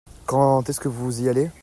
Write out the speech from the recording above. Quand est-ce que vous y allez ?